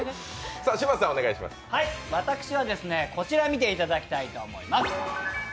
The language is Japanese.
私はこちら見ていただきたいと思います